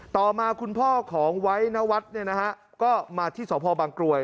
ต่อมาคุณพ่อของไวนวัตต์ก็มาที่สหพบังกลวย